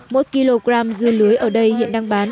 mỗi kg dưa lưới ở đây hiện đang bán